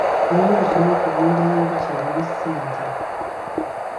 Leero tusomye ku nnunda y’enjuki erimu ssente.